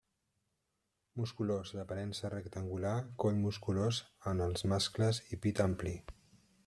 Musculós, d'aparença rectangular, coll musculós en els mascles i pit ampli.